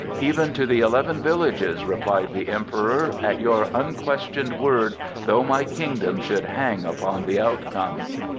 "Even to the eleven villages," replied the Emperor. "At your unquestioned word, though my kingdom should hang upon the outcome."